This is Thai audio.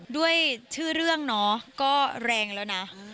ด้วยชื่อเรื่องเนาะก็แรงแล้วนะ